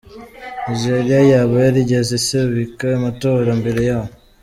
Nigeria yaba yarigeze isubika amatora mbere yaho? .